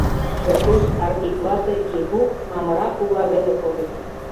Пӧртеш Арпик вате, Ивук, Мамыра кува веле кодыт.